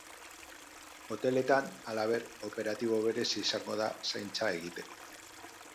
Hoteletan, halaber, operatibo berezia izango da zaintza egiteko.